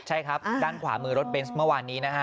ใช่ครับด้านขวามือรถเบนส์เมื่อวานนี้นะฮะ